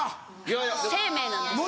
生命なんですよ。